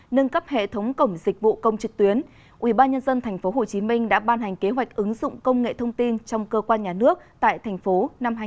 nâng cấp hệ thống cổng dịch vụ công trực tuyến ubnd tp hcm đã ban hành kế hoạch ứng dụng công nghệ thông tin trong cơ quan nhà nước tại tp năm hai nghìn hai mươi